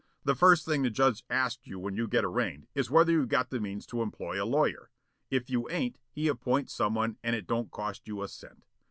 The first thing the judge asks you when you are arraigned is whether you got the means to employ a lawyer. If you ain't, he appoints some one and it don't cost you a cent.